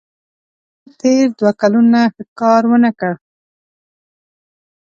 احمد تېر دوه کلونه ښه کار ونه کړ.